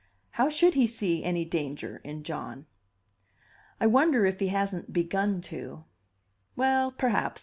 How should he see any danger in John?" "I wonder if he hasn't begun to?" "Well, perhaps.